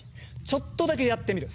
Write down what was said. ちょっとだけやってみる。